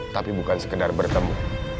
tapi bukan sekedar bertemu